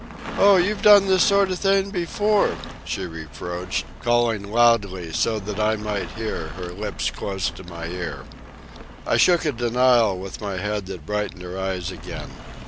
"Oh, you've done this sort of thing before," she reproached, calling loudly, so that I might hear, her lips close to my ear. I shook a denial with my head that brightened her eyes again.